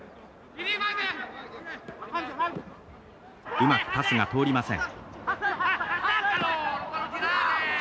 うまくパスが通りません。